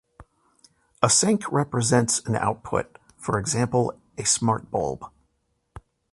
a sink represents an output, for example a smart bulb